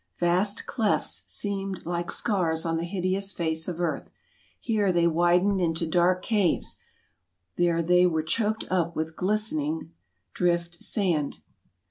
Vast clefts seemed like scars on the hideous face of earth; here they widened into dark caves, there they were choked up with glistening drift sand.